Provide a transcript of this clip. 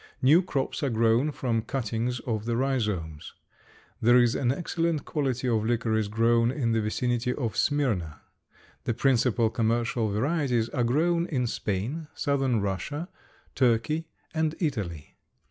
New crops are grown from cuttings of the rhizomes. There is an excellent quality of licorice grown in the vicinity of Smyrna. The principal commercial varieties are grown in Spain, southern Russia, Turkey and Italy.